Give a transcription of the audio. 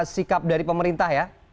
sikap dari pemerintah ya